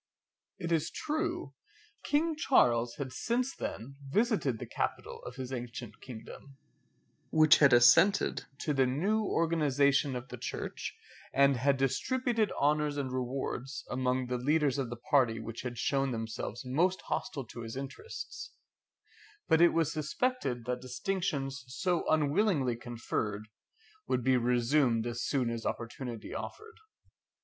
It is true, King Charles had since then visited the capital of his ancient kingdom, had assented to the new organization of the church, and had distributed honours and rewards among the leaders of the party which had shown themselves most hostile to his interests; but it was suspected that distinctions so unwillingly conferred would be resumed as soon as opportunity offered.